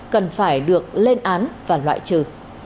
cần phải được lên án và loại trừ